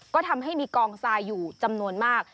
ก็ทำให้มีกองทรายอยู่จำนวนมาก